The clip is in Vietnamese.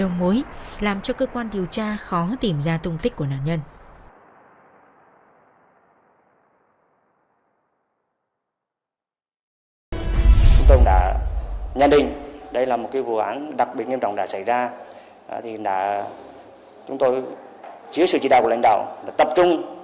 đồng hối làm cho cơ quan điều tra khó tìm ra tung tích của nạn nhân